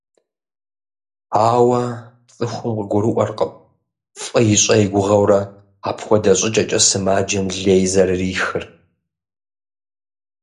Ауэ цӀыхум къыгурыӀуэркъым, фӀы ищӀэ и гугъэурэ, апхуэдэ щӀыкӀэкӀэ сымаджэм лей зэрырихыр.